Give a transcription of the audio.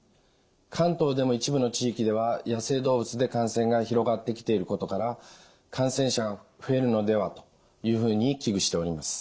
関東でも一部の地域では野生動物で感染が広がってきていることから感染者が増えるのではというふうに危惧しております。